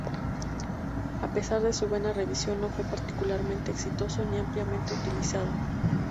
A pesar de su buena revisión, no fue particularmente exitoso ni ampliamente utilizado.